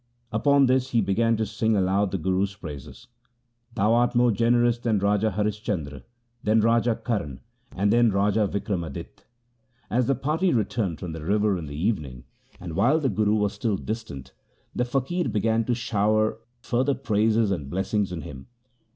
Upon this he began to sing aloud the Guru's praises :' Thou art more generous than Raja Harishchandra, than Raja Karan, and than Raja Vikramadit.' 1 As the party returned from the river in the evening, and while the Guru was still distant, the faqir began to shower further praises and blessings on him.